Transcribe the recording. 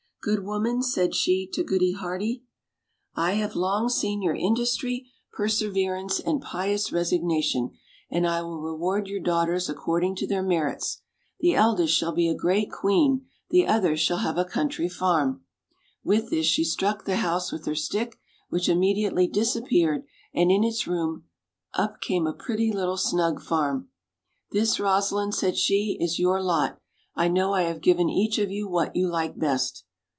"Good, wprnan/' said she to Goody Hearty, "I have 32 OLD, OLD FAIRY TALES. long seen your industry, perseverance, and pious resigna tion, and I will reward your daughters according to their merits; the eldest shall be a great queen, the other shall have a country farm;" with this she struck the house with her stick, which immediately disappeared, and in its room up came a pretty little snug farm. "This, Rosa lind," said she, "is your lot; I know I have given each of you what you like best."